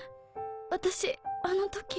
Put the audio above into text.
私あの時。